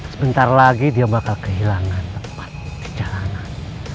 sebentar lagi dia bakal kehilangan tempat di jalanan